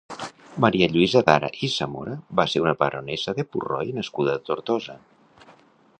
Maria Lluïsa Dara i Zamora va ser una baronessa de Purroi nascuda a Tortosa.